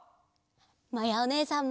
まやおねえさんも！